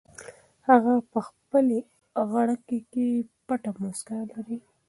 هغه په خپلې غړکۍ کې پټه موسکا لري.